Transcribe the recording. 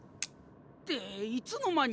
っていつの間に！？